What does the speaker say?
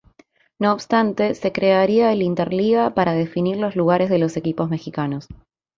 No obstante, se crearía el InterLiga para definir los lugares de los equipos mexicanos.